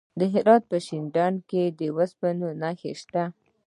د هرات په شینډنډ کې د اوسپنې نښې شته.